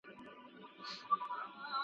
ستا تر آوازه مي بلاله ژوند په داو وهلی .